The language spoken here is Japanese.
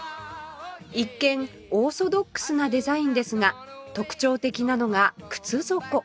一見オーソドックスなデザインですが特徴的なのが靴底